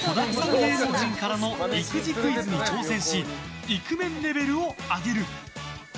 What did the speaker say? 芸能人からの育児クイズに挑戦しイクメンレベルを上げる！